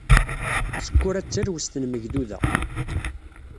Sekkura d talwest n Megduda.